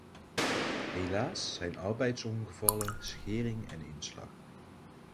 Helaas zijn arbeidsongevallen schering en inslag.